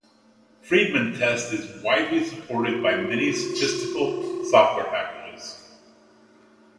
Friedman test is widely supported by many statistical software packages.